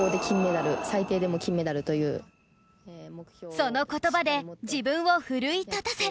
その言葉で自分を奮い立たせ